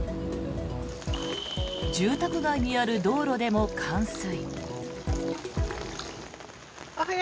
住宅街にある道路でも冠水。